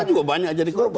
kita juga banyak jadi korban